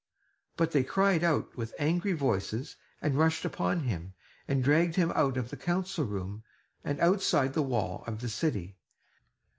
But they cried out with angry voices, and rushed upon him, and dragged him out of the council room, and outside the wall of the city.